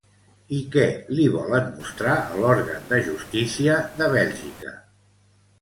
I què li volen mostrar a l'òrgan de justícia de Bèlgica?